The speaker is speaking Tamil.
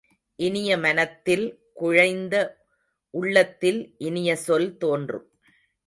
இனிய மனத்தில் குழைந்த உள்ளத்தில் இனிய சொல் தோன்றும்.